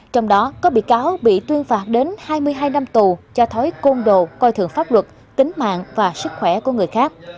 trong đó có bị cáo bị tuyên phạt đến hai mươi hai năm tù cho thói côn đồ coi thường pháp luật tính mạng và sức khỏe của người khác